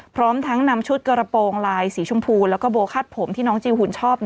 พร้อมทั้งนำชุดกระโปรงลายสีชมพูแล้วก็โบคัดผมที่น้องจีหุ่นชอบ